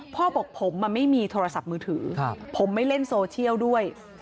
พ่อบอกผมไม่มีโทรศัพท์มือถือผมไม่เล่นโซเชียลด้วย